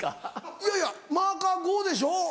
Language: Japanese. いやいやマーカー「５」でしょ？